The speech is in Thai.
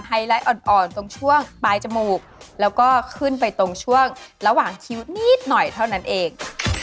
ไลท์อ่อนตรงช่วงปลายจมูกแล้วก็ขึ้นไปตรงช่วงระหว่างชีวิตนิดหน่อยเท่านั้นเอง